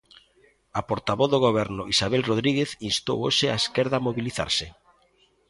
A portavoz do Goberno, Isabel Rodríguez instou hoxe a esquerda a mobilizarse.